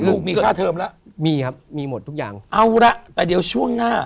ลูกมีค่าเทอมแล้วมีครับมีหมดทุกอย่างเอาละแต่เดี๋ยวช่วงหน้า